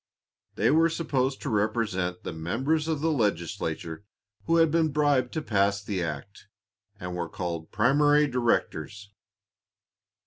They were supposed to represent the members of the legislature who had been bribed to pass the act, and were called "Primary Directors."